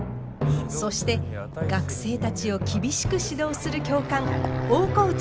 そして学生たちを厳しく指導する教官大河内